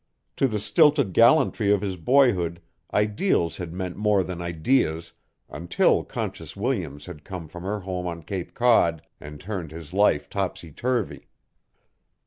To the stilted gallantry of his boyhood, ideals had meant more than ideas until Conscience Williams had come from her home on Cape Cod and turned his life topsy turvy.